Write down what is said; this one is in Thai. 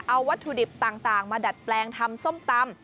เอาวัตถุดิบต่างมาดัดแปลงทำส้มตำ